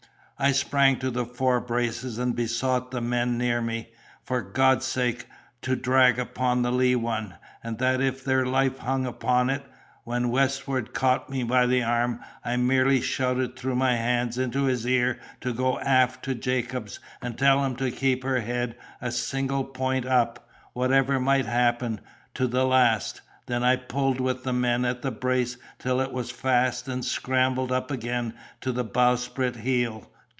"I sprang to the fore braces and besought the men near me, for God's sake, to drag upon the lee one—and that as if their life hung upon it—when Westwood caught me by the arm. I merely shouted through my hands into his ear to go aft to Jacobs and tell him to keep her head a single point up, whatever might happen, to the last—then I pulled with the men at the brace till it was fast, and scrambled up again to the bowsprit heel.